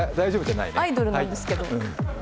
アイドルなんですけど。